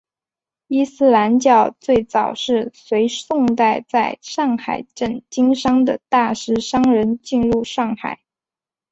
伊斯兰教最早是随宋代在上海镇经商的大食商人进入上海。